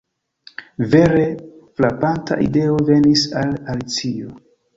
Vere frapanta ideo venis al Alicio.